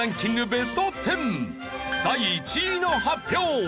ベスト１０第１位の発表。